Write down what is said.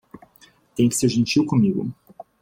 Tem que ser gentil comigo.